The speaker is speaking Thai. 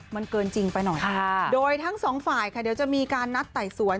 มันเกินจริงไปหน่อยโดยทั้งสองฝ่ายค่ะเดี๋ยวจะมีการนัดไต่สวน